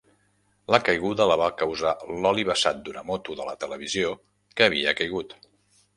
La caiguda la va causar l'oli vessat d'una moto de la televisió que havia caigut.